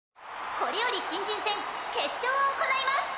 これより新人戦決勝を行います